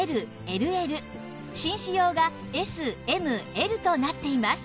紳士用が ＳＭＬ となっています